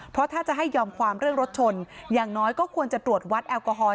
เพราะถ้าจะให้ยอมความเรื่องรถชนอย่างน้อยก็ควรจะตรวจวัดแอลกอฮอล